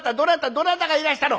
どなたがいらしたの？」。